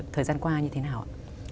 thời gian qua như thế nào ạ